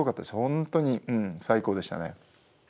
本当に最高でしたね。